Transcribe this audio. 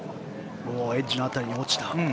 エッジの辺りに落ちた。